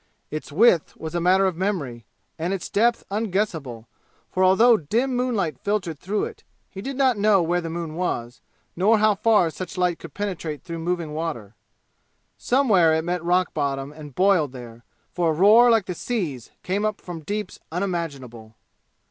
Its width was a matter of memory, and its depth unguessable, for although dim moonlight filtered through it, he did not know where the moon was, nor how far such light could penetrate through moving water. Somewhere it met rock bottom and boiled there, for a roar like the sea's came up from deeps unimaginable.